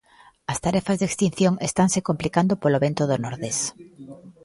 As tarefas de extinción estanse complicando polo vento do nordés.